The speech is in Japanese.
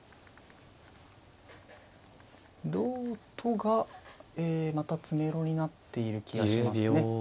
同とがまた詰めろになっている気がしますね。